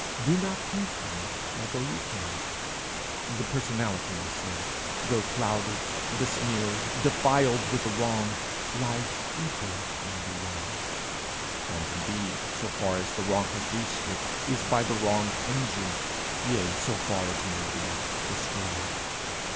Do not hate him although you can. The personalty, I say, though clouded, besmeared, defiled with the wrong, lies deeper than the wrong, and indeed, so far as the wrong has reached it, is by the wrong injured, yea, so far, it may be, destroyed."